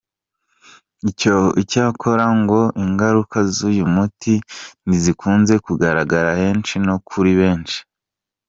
Icyakora ngo ingaruka z’uyu muti ntizikunze kugaragara henshi no kuri benshi.